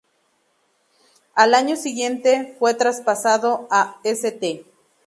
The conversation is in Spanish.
Al año siguiente fue traspasado a St.